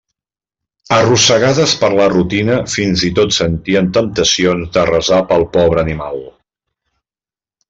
Arrossegades per la rutina, fins i tot sentien temptacions de resar pel pobre animal.